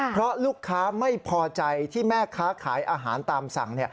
เพราะลูกค้าไม่พอใจที่แม่ค้าขายอาหารตามสั่ง